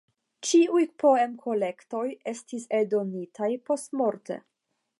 Ĉiuj poem-kolektoj estis eldonitaj postmorte.